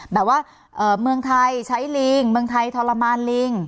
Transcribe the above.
แบบว่าเมืองไทยใช้ลิงเมืองไทยทรมานลิง